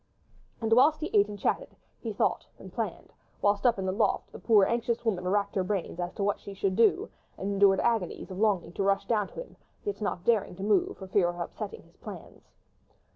And whilst he ate and chatted, he thought and planned, whilst, up in the loft, the poor, anxious woman racked her brain as to what she should do, and endured agonies of longing to rush down to him, yet not daring to move for fear of upsetting his plans.